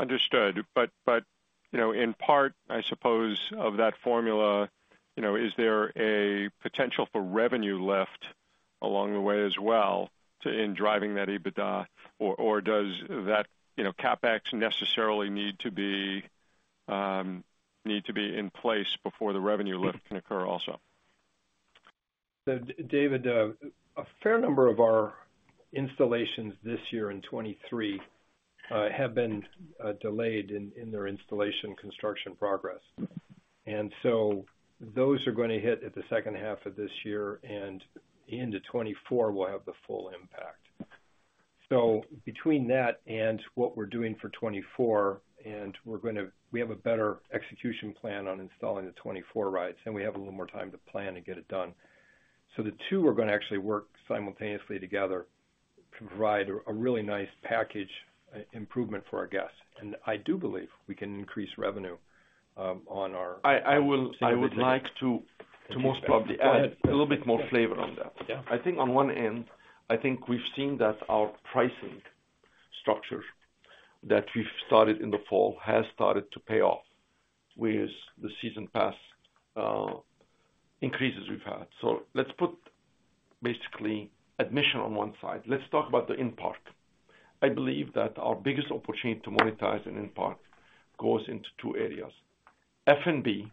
Understood. You know, in part, I suppose, of that formula, you know, is there a potential for revenue lift along the way as well in driving that EBITDA? Or does that, you know, CapEx necessarily need to be need to be in place before the revenue lift can occur also? David, a fair number of our installations this year in 2023 have been delayed in their installation construction progress. Those are gonna hit at the second half of this year, and into 2024, we'll have the full impact. Between that and what we're doing for 2024, we have a better execution plan on installing the 2024 rides, and we have a little more time to plan and get it done. The two are gonna actually work simultaneously together to provide a really nice package improvement for our guests. I do believe we can increase revenue on our, I, I will. Significant. I would like to, to most probably. Go ahead. Add a little bit more flavor on that. I think on one end, I think we've seen that our pricing structure that we've started in the fall has started to pay off, with the season pass increases we've had. Let's put basically admission on one side. Let's talk about the in-park. I believe that our biggest opportunity to monetize an in-park goes into two areas, F&B,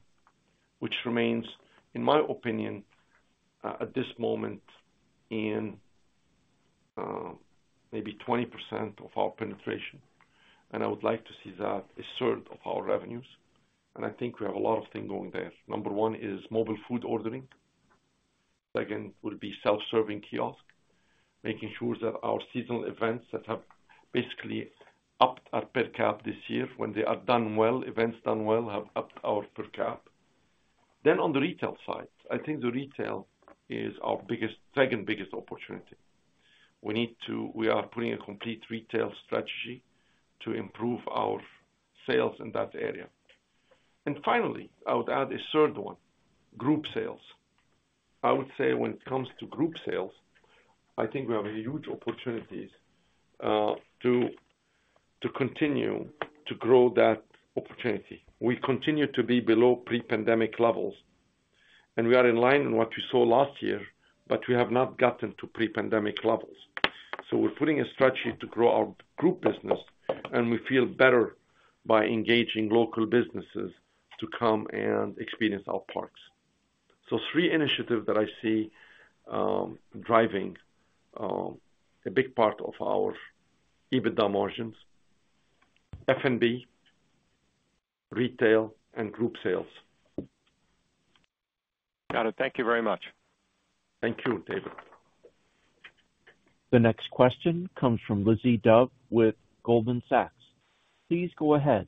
which remains, in my opinion, at this moment, in maybe 20% of our penetration, and I would like to see that a third of our revenues. I think we have a lot of things going there. Number one is mobile food ordering. Second, would be self-serving kiosk, making sure that our seasonal events that have basically upped our per cap this year when they are done well, events done well, have upped our per cap. On the retail side, I think the retail is our biggest, second biggest opportunity. We need to we are putting a complete retail strategy to improve our sales in that area. Finally, I would add a third one, group sales. I would say when it comes to group sales, I think we have a huge opportunities to, to continue to grow that opportunity. We continue to be below pre-pandemic levels, and we are in line in what you saw last year, but we have not gotten to pre-pandemic levels. We're putting a strategy to grow our group business, and we feel better by engaging local businesses to come and experience our parks. Three initiatives that I see driving a big part of our EBITDA margins, F&B, retail, and group sales. Got it. Thank you very much. Thank you, David. The next question comes from Lizzie Dove with Goldman Sachs. Please go ahead.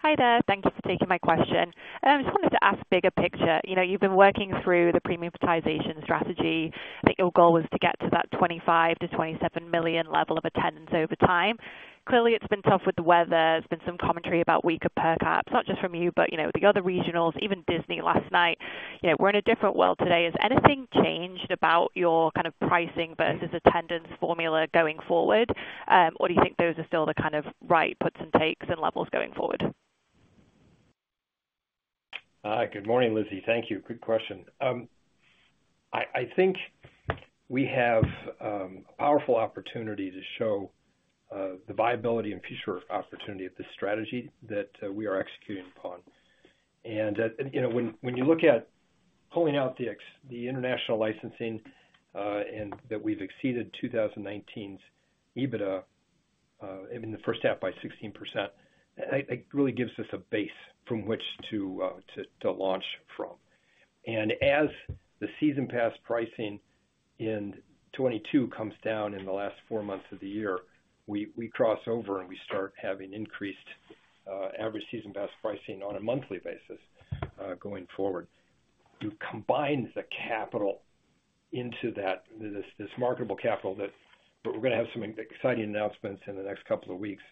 Hi there. Thank you for taking my question. Just wanted to ask bigger picture. You know, you've been working through the premiumization strategy. I think your goal was to get to that $25 million-$27 million level of attendance over time. Clearly, it's been tough with the weather. There's been some commentary about weaker per caps, not just from you, but, you know, the other regionals, even Disney last night. You know, we're in a different world today. Has anything changed about your kind of pricing versus attendance formula going forward? Or do you think those are still the kind of right puts and takes and levels going forward? Good morning, Lizzie. Thank you. Good question. I, I think we have a powerful opportunity to show the viability and future opportunity of this strategy that we are executing upon. You know, when, when you look at pulling out the international licensing and that we've exceeded 2019's EBITDA in the first half by 16%, it really gives us a base from which to launch from. As the season pass pricing in 2022 comes down in the last four months of the year, we, we cross over and we start having increased average season pass pricing on a monthly basis going forward. You combine the capital into that, this, this marketable securities. We're gonna have some exciting announcements in the next couple of weeks.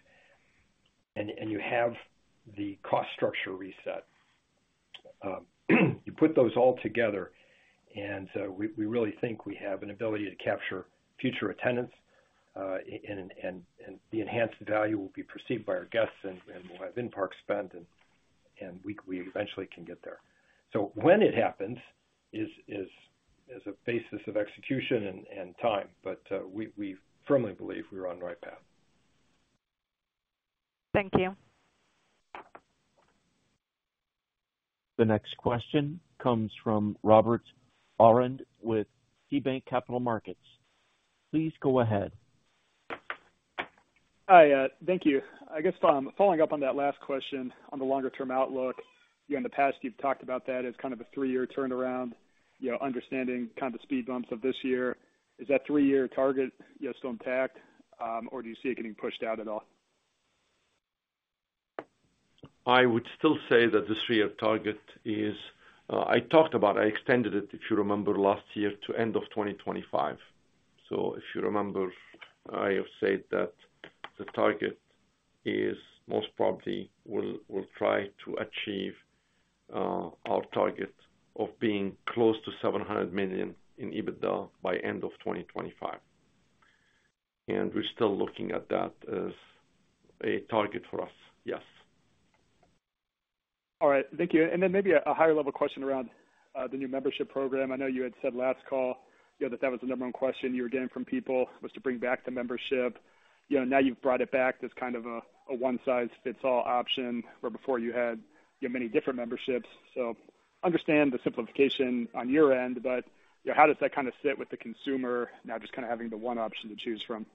You have the cost structure reset. You put those all together, and, we, we really think we have an ability to capture future attendance, and, and, and the enhanced value will be perceived by our guests, and, and we'll have in-park spend, and, and we, we eventually can get there. When it happens is, is, is a basis of execution and, and time, but, we, we firmly believe we're on the right path. Thank you. The next question comes from Robert Aurand with KeyBanc Capital Markets. Please go ahead. Hi, thank you. I guess, following up on that last question on the longer term outlook, you know, in the past, you've talked about that as kind of a three-year turnaround, you know, understanding kind of the speed bumps of this year. Is that three-year target, you know, still intact, or do you see it getting pushed out at all? I would still say that the three-year target is, I talked about I extended it, if you remember last year, to end of 2025. If you remember, I have said that the target is most probably we'll, we'll try to achieve, our target of being close to $700 million in EBITDA by end of 2025. We're still looking at that as a target for us, yes. All right. Thank you. Then maybe a higher level question around the new membership program. I know you had said last call, you know, that that was the number one question you were getting from people, was to bring back the membership. You know, now you've brought it back as kind of a one-size-fits-all option, where before you had, you know, many different memberships. Understand the simplification on your end, but, you know, how does that kind of sit with the consumer now just kind of having the one option to choose from?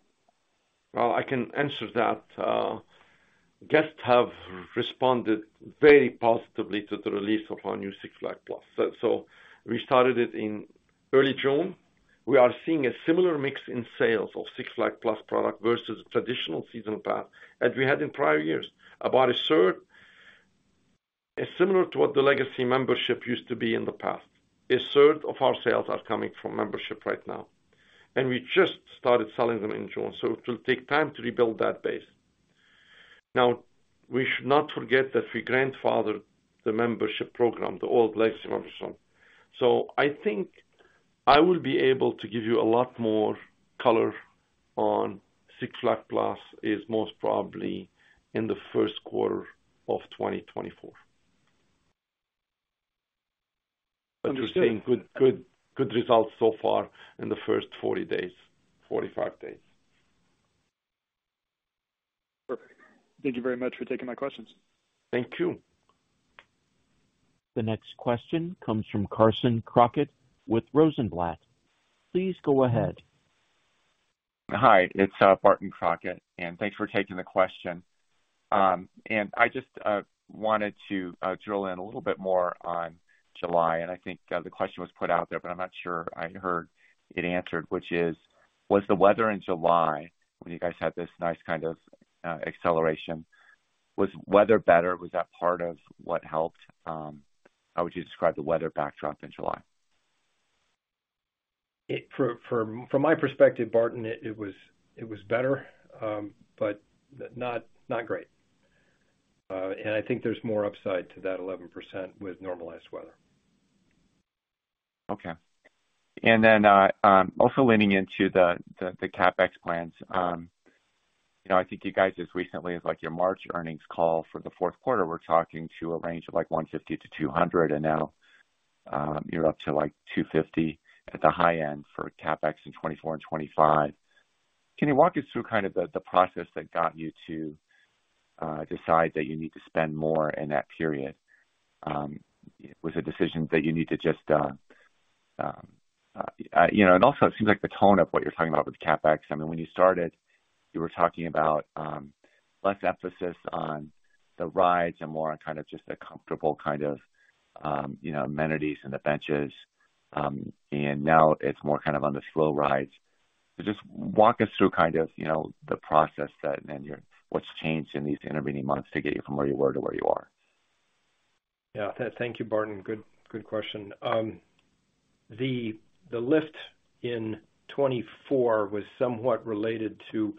Well, I can answer that. Guests have responded very positively to the release of our new Six Flags Plus. We started it in early June. We are seeing a similar mix in sales of Six Flags Plus product versus traditional season pass, as we had in prior years. About a third, It's similar to what the legacy membership used to be in the past. A third of our sales are coming from membership right now, and we just started selling them in June, so it will take time to rebuild that base. Now, we should not forget that we grandfathered the membership program, the old legacy membership. I think I will be able to give you a lot more color on Six Flags Plus, is most probably in the first quarter of 2024. Understood. Seeing good, good, good results so far in the first 40 days, 45 days. Perfect. Thank you very much for taking my questions. Thank you. The next question comes from Barton Crockett with Rosenblatt. Please go ahead. Hi, it's Barton Crockett, thanks for taking the question. I just wanted to drill in a little bit more on July, and I think the question was put out there, but I'm not sure I heard it answered, which is: Was the weather in July, when you guys had this nice kind of acceleration, was weather better? Was that part of what helped? How would you describe the weather backdrop in July? It, from, from, from my perspective, Barton, it, it was, it was better, but not, not great. I think there's more upside to that 11% with normalized weather. Okay. Also leaning into the, the, the CapEx plans. You know, I think you guys, as recently as, like, your March earnings call for the fourth quarter, were talking to a range of, like, $150-$200, and now, you're up to, like, $250 at the high end for CapEx in 2024 and 2025. Can you walk us through kind of the, the process that got you to decide that you need to spend more in that period? Was a decision that you need to just, you know, and also it seems like the tone of what you're talking about with CapEx. I mean, when you started, you were talking about, less emphasis on the rides and more on kind of just the comfortable kind of, you know, amenities and the benches, now it's more kind of on the slow rides. Just walk us through kind of, you know, the process that what's changed in these intervening months to get you from where you were to where you are. Yeah. Thank you, Barton. Good, good question. The lift in 2024 was somewhat related to.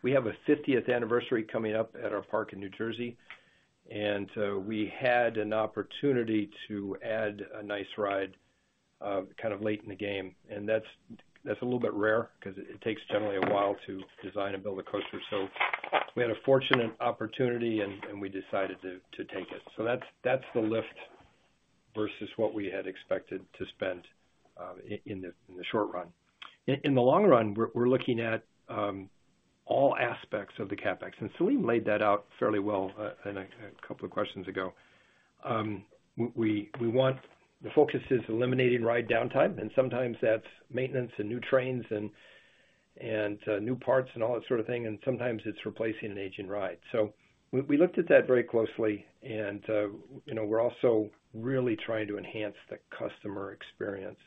We have a 50th anniversary coming up at our park in New Jersey, and so we had an opportunity to add a nice ride, kind of late in the game. That's, that's a little bit rare because it takes generally a while to design and build a coaster. We had a fortunate opportunity and, and we decided to, to take it. That's, that's the lift versus what we had expected to spend, in the short run. In the long run, we're, we're looking at, all aspects of the CapEx, and Selim laid that out fairly well, in a couple of questions ago. We, we, we want- the focus is eliminating ride downtime, and sometimes that's maintenance and new trains and, and, new parts and all that sort of thing, and sometimes it's replacing an aging ride. We, we looked at that very closely, and, you know, we're also really trying to enhance the customer experience,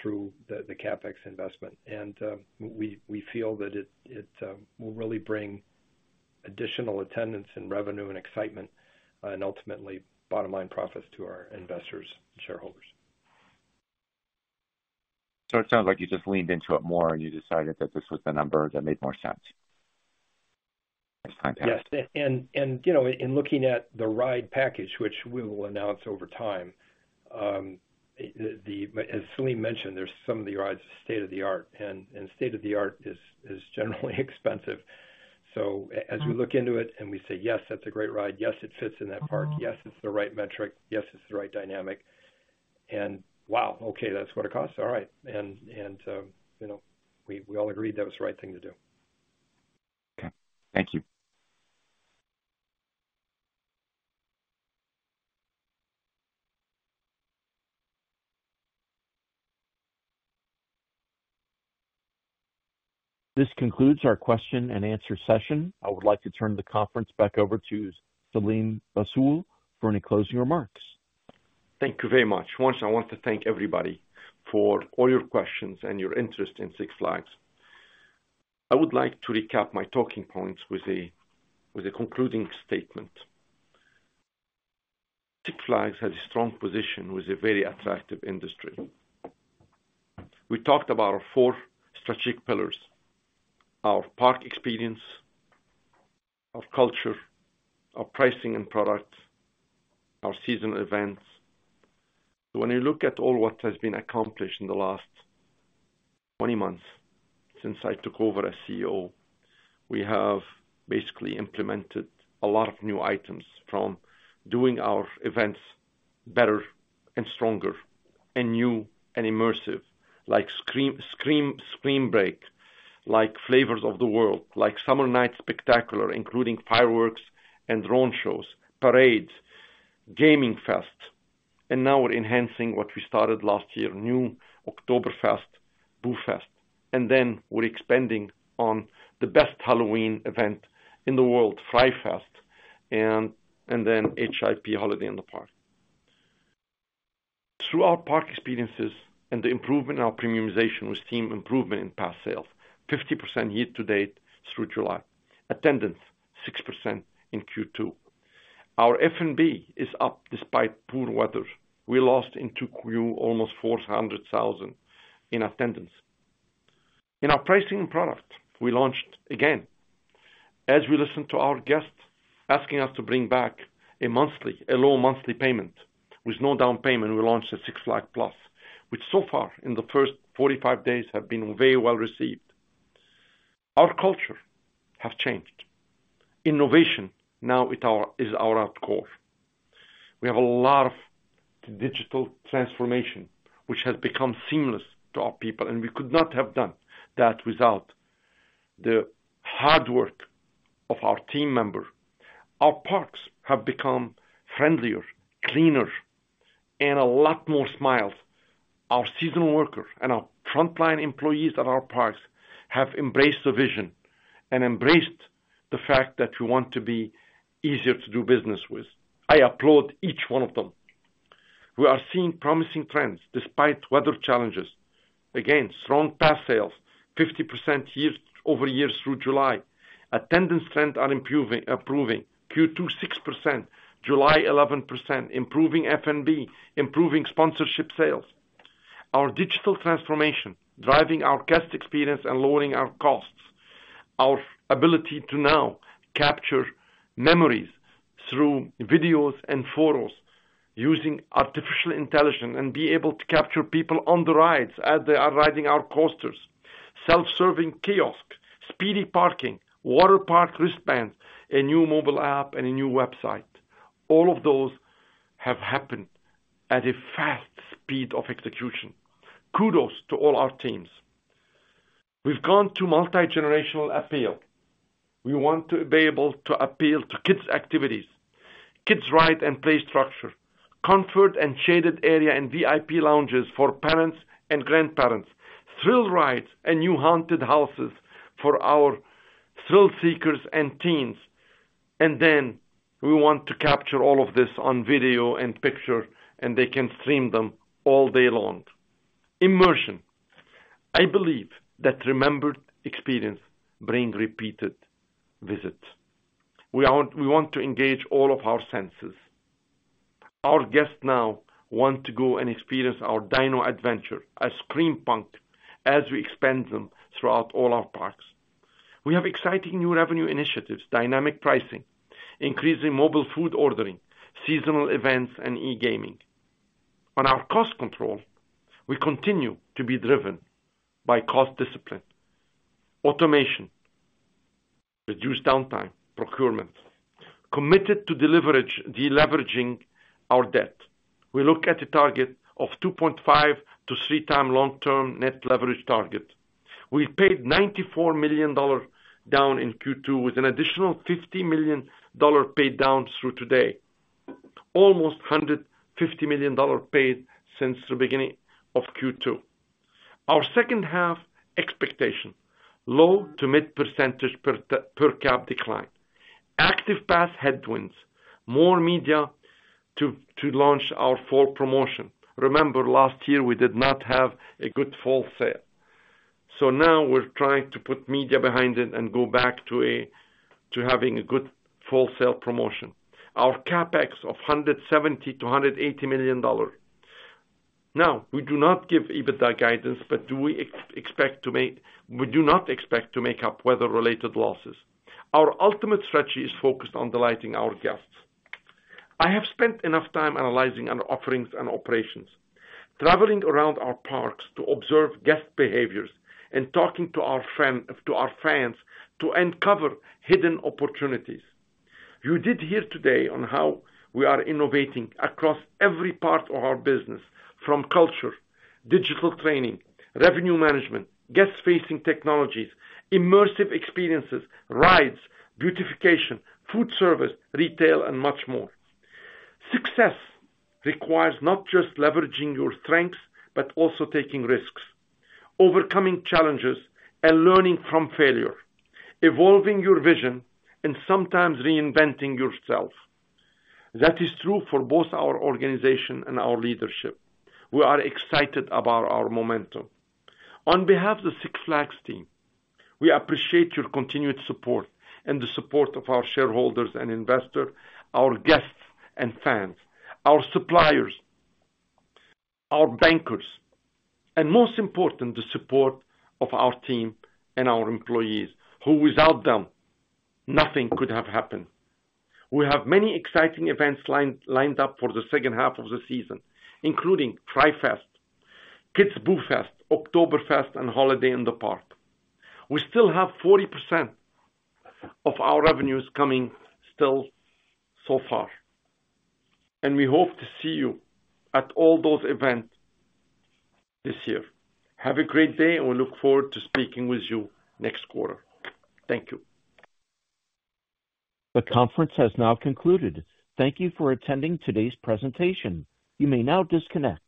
through the, the CapEx investment. We, we feel that it, it, will really bring additional attendance and revenue and excitement, and ultimately bottom line profits to our investors and shareholders. It sounds like you just leaned into it more and you decided that this was the number that made more sense. As time passed. Yes, you know, in looking at the ride package, which we will announce over time, as Selim mentioned, there's some of the rides state-of-the-art, state-of-the-art is generally expensive. As we look into it and we say, "Yes, that's a great ride. Yes, it fits in that park. Yes, it's the right metric. Yes, it's the right dynamic." Wow, okay, that's what it costs? All right. You know, we all agreed that was the right thing to do. Okay. Thank you. This concludes our question and answer session. I would like to turn the conference back over to Selim Bassoul for any closing remarks. Thank you very much. Once, I want to thank everybody for all your questions and your interest in Six Flags. I would like to recap my talking points with a concluding statement. Six Flags has a strong position with a very attractive industry. We talked about our four strategic pillars, our park experience, our culture, our pricing and product, our seasonal events. When you look at all what has been accomplished in the last 20 months since I took over as CEO, we have basically implemented a lot of new items from doing our events better and stronger and new and immersive, like Scream Break, like Flavors of the World, like Summer Nights Spectacular, including fireworks and drone shows, parades, Gaming Fest, and now we're enhancing what we started last year, new Oktoberfest, Boo Fest. We're expanding on the best Halloween event in the world, Fright Fest, and then HIP, Holiday in the Park. Through our park experiences and the improvement in our premiumization, we've seen improvement in pass sales, 50% year to date through July. Attendance, 6% in Q2. Our F&B is up despite poor weather. We lost in Q almost 400,000 in attendance. In our pricing and product, we launched again. As we listened to our guests asking us to bring back a monthly, a low monthly payment with no down payment, we launched a Six Flags Plus, which so far in the first 45 days have been very well received. Our culture has changed. Innovation now is our, is our core. We have a lot of digital transformation, which has become seamless to our people, and we could not have done that without the hard work of our team members. Our parks have become friendlier, cleaner and a lot more smiles. Our seasonal workers and our frontline employees at our parks have embraced the vision and embraced the fact that we want to be easier to do business with. I applaud each one of them. We are seeing promising trends despite weather challenges. Again, strong pass sales, 50% year-over-year through July. Attendance trends are improving, improving. Q2, 6%. July, 11%. Improving FNB, improving sponsorship sales. Our digital transformation, driving our guest experience and lowering our costs. Our ability to now capture memories through videos and photos, using artificial intelligence, and be able to capture people on the rides as they are riding our coasters. Self-serving kiosk, Speedy Parking, water park wristbands, a new mobile app, and a new website. All of those have happened at a fast speed of execution. Kudos to all our teams. We've gone to multigenerational appeal. We want to be able to appeal to kids' activities, kids ride and play structure, comfort and shaded area, and VIP lounges for parents and grandparents, thrill rides, and new haunted houses for our thrill seekers and teens. We want to capture all of this on video and picture, and they can stream them all day long. Immersion. I believe that remembered experience bring repeated visits. We want to engage all of our senses. Our guests now want to go and experience our Dino Adventure, ScreamPunk, as we expand them throughout all our parks. We have exciting new revenue initiatives, dynamic pricing, increasing mobile food ordering, seasonal events, and e-gaming. On our cost control, we continue to be driven by cost discipline, automation, reduced downtime, procurement. Committed to deleveraging our debt. We look at a target of 2.5x-3x long-term net leverage target. We paid $94 million down in Q2, with an additional $50 million paid down through today. Almost $150 million paid since the beginning of Q2. Our second half expectation, low to mid-% per cap decline. Active pass headwinds, more media to launch our fall promotion. Remember, last year, we did not have a good fall sale, now we're trying to put media behind it and go back to having a good fall sale promotion. Our CapEx of $170 million-$180 million. We do not give EBITDA guidance. We do not expect to make up weather-related losses. Our ultimate strategy is focused on delighting our guests. I have spent enough time analyzing our offerings and operations, traveling around our parks to observe guest behaviors, and talking to our friend, to our fans, to uncover hidden opportunities. You did hear today on how we are innovating across every part of our business, from culture, digital training, revenue management, guest-facing technologies, immersive experiences, rides, beautification, food service, retail, and much more. Success requires not just leveraging your strengths, but also taking risks, overcoming challenges and learning from failure, evolving your vision, and sometimes reinventing yourself. That is true for both our organization and our leadership. We are excited about our momentum. On behalf of the Six Flags team, we appreciate your continued support and the support of our shareholders and investors, our guests and fans, our suppliers, our bankers, and most important, the support of our team and our employees, who without them, nothing could have happened. We have many exciting events lined up for the second half of the season, including Fright Fest, Kids Boo Fest, Oktoberfest, and Holiday in the Park. We still have 40% of our revenues coming still so far, we hope to see you at all those events this year. Have a great day, we look forward to speaking with you next quarter. Thank you. The conference has now concluded. Thank you for attending today's presentation. You may now disconnect.